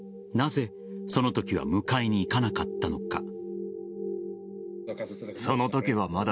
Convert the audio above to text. なぜ、そのときは迎えにいかなかったのか。